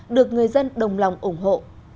được người dân đồng lòng ủng hộ